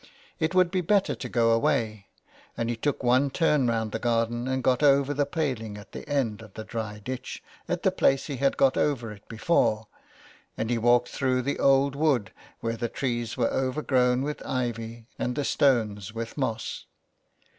It would be better to go away, and he took one turn round the garden and got over the paling at the end of the dry ditch, at the place he had got over it before, and he walked through the old wood, where the trees were overgrown with ivy, and the stones with moss.